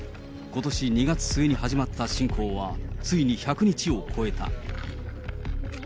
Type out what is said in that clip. ことし２月末に始まった侵攻は、ついに１００日を超えた。